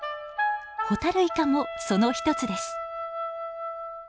ホタルイカもその一つです。